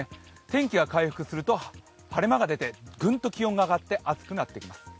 天気が回復すると晴れ間が出て、グンと気温が上がって暑くなってきます。